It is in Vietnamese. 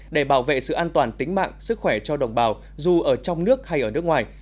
để bảo vệ sự an toàn tính mạng sức khỏe cho đồng bào dù ở trong nước hay ở nước ngoài